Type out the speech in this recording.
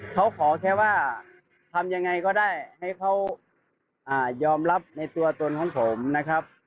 เขาขอแค่ว่าทำยังไงก็ได้ให้เขายอมรับในตัวตนของผมนะครับ